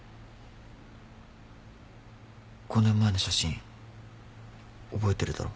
５年前の写真覚えてるだろ？